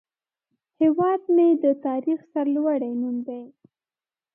هیواد مې د تاریخ سرلوړی نوم دی